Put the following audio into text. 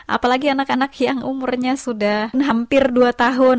apalagi anak anak yang umurnya sudah hampir dua tahun